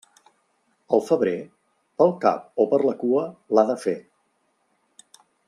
El febrer pel cap o per la cua l'ha de fer.